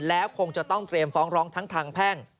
แล้วคงจะต้องเตรียมฟ้องร้องทั้งทางแพ่ง